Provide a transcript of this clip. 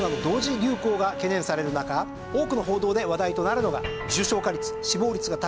流行が懸念される中多くの報道で話題となるのが。